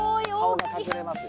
顔が隠れますよ。